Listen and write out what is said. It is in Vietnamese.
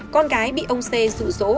con gái bị ông c rủ rỗ